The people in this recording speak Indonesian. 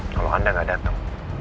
kalau anda gak dateng